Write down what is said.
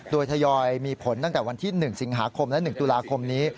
โดยทยอยมีผลตั้งแต่วันที่๑สิงหาคมและ๑ตุลาคมนี้